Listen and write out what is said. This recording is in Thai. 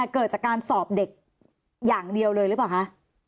เกิดจากการสอบเด็กอย่างเดียวเลยหรือเปล่าคะ